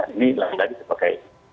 ini lagi lagi sebagai pintu masuk